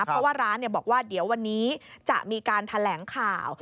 เพราะว่าร้านบอกว่าเดี๋ยววันนี้จะมีการแถลงข่าว